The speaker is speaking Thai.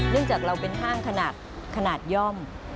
จากเราเป็นห้างขนาดย่อม